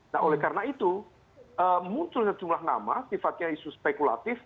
nah oleh karena itu muncul sejumlah nama sifatnya isu spekulatif